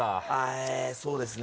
えそうですね。